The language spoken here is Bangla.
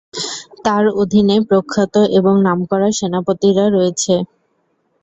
তার অধীনে প্রখ্যাত এবং নামকরা সেনাপতিরা রয়েছে।